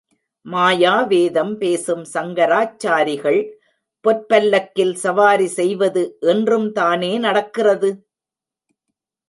மாயாவேதம் பேசும் சங்கராச்சாரிகள், பொற்பல்லக்கில் சவாரி செய்வது இன்றும் தானே நடக்கிறது!